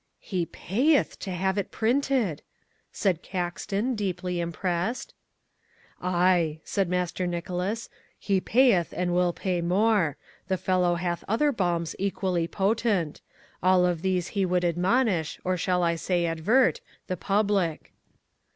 "He PAYETH to have it printed!" said Caxton, deeply impressed. "Aye," said Master Nicholas, "he payeth and will pay more. The fellow hath other balms equally potent. All of these he would admonish, or shall I say advert, the public."